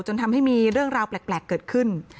จนทำให้มีเรื่องราวแปลกเกิดขึ้น